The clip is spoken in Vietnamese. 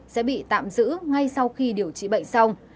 sẽ bị tạm giữ ngay sau khi điều trị bệnh xong